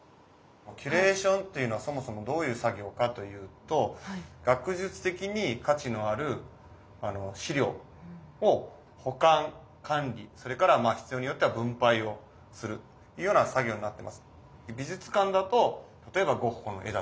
キュレーションというのはそもそもどういう作業かというと学術的に価値のある資料を保管管理それから必要によっては分配をするというような作業になってます。